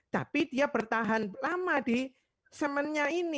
tapi dia bertahan lama di sperma